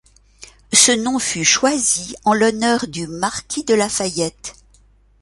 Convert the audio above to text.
Ce nom fut choisi en l'honneur du marquis de Lafayette.